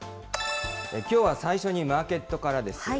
きょうは最初にマーケットからです。